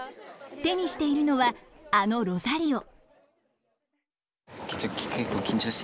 手にしているのはあのロザリオ。